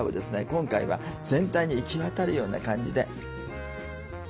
今回は全体に行き渡るような感じで。